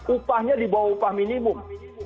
upahnya di bawah upah minimum